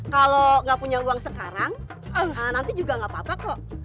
kalau nggak punya uang sekarang nanti juga nggak apa apa kok